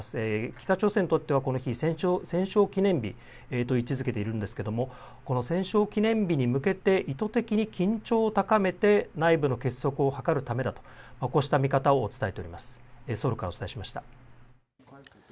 北朝鮮はこの日戦勝記念日と位置づけているんですけれどもこの戦勝記念日に向けて意図的に緊張を高めて内部の結束を図るためだと、こうした見方を伝えて伝えています。